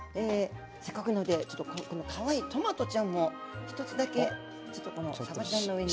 せっかくなのでこのかわいいトマトちゃんを１つだけこのさばちゃんの上に。